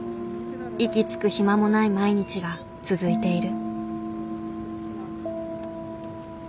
息つく暇もない毎日が続いている。